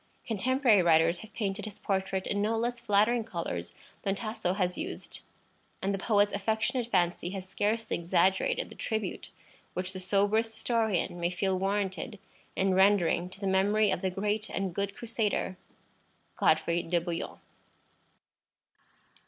Contemporary writers have painted his portrait in no less flattering colors than Tasso has used, and the poet's affectionate fancy has scarcely exaggerated the tribute which the soberest historian may feel warranted in rendering to the memory of the great and good Crusader, Godfrey de Bouillon.